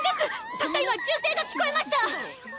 たった今銃声が聞こえました！